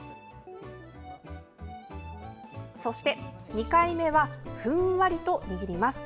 そして２回目はふんわりと握ります。